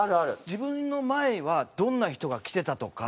自分の前はどんな人が着てたとか。